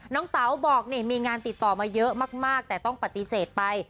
เต๋าบอกนี่มีงานติดต่อมาเยอะมากแต่ต้องปฏิเสธไป